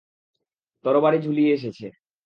তরবারী ঝুলিয়ে এসেছে।